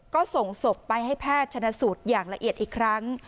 ก็ส่งศพไปให้แพทย์ชนะสูตรอย่างละเอียดอีกครั้ง